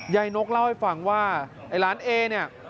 นกเล่าให้ฟังว่าไอ้หลานเอเนี่ย